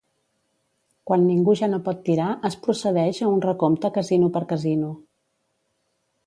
Quan ningú ja no pot tirar es procedeix a un recompte casino per casino.